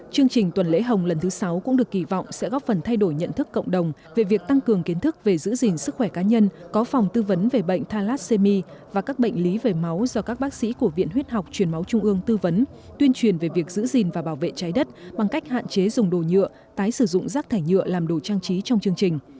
chương trình tuần lễ hồng lần thứ sáu cũng được kỳ vọng sẽ góp phần thay đổi nhận thức cộng đồng về việc tăng cường kiến thức về giữ gìn sức khỏe cá nhân có phòng tư vấn về bệnh thalassemi và các bệnh lý về máu do các bác sĩ của viện huyết học truyền máu trung ương tư vấn tuyên truyền về việc giữ gìn và bảo vệ trái đất bằng cách hạn chế dùng đồ nhựa tái sử dụng rác thải nhựa làm đồ trang trí trong chương trình